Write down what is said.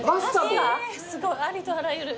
すごいありとあらゆる。